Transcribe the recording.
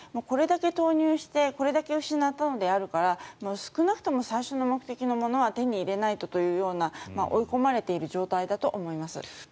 これだけ投入してこれだけ失ったのであるから少なくとも最初の目的のものは手に入れないとというような追い込まれている状態だと思います。